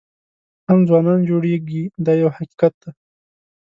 هم ځوانان جوړېږي دا یو حقیقت دی.